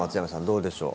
どうでしょう？